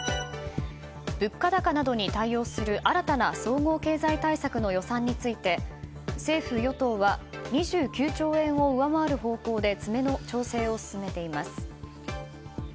物価高などに対応する新たな総合経済対策の予算について、政府・与党は２９兆円を上回る方向で詰めの調整を進めています。